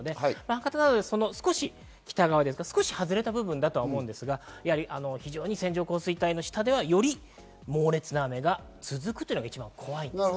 博多などでは少し北側、少し外れた部分だと思いますが、非常に線状降水帯の下では、より猛烈な雨が続くというのが一番怖いです。